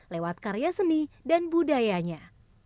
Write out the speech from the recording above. lewat karya seni dan budayanya